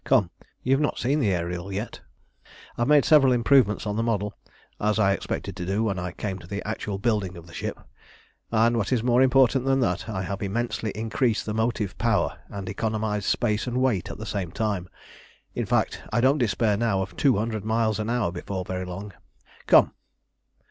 Come, you have not seen the Ariel yet. "I have made several improvements on the model, as I expected to do when I came to the actual building of the ship, and, what is more important than that, I have immensely increased the motive power and economised space and weight at the same time. In fact, I don't despair now of two hundred miles an hour before very long. Come!"